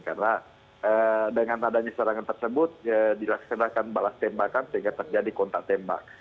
karena dengan adanya serangan tersebut dilaksanakan balas tembakan sehingga terjadi kontak tembak